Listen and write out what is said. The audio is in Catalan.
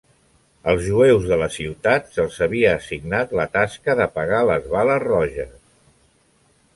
Als jueus de la ciutat se'ls havia assignat la tasca d'apagar les bales roges.